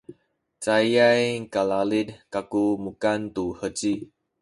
cayay kalalid kaku mukan tu heci